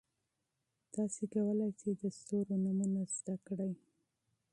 تاسي کولای شئ د ستورو نومونه زده کړئ.